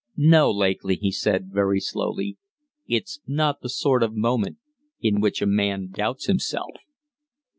"No, Lakely," he said, very slowly, "it's not the sort of moment in which a man doubts himself."